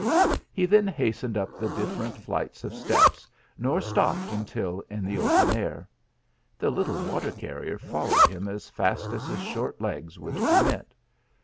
He then hastened up the different flights of steps, nor stopped until in the open air. The little water carrier followed him as fast as his short legs would permit.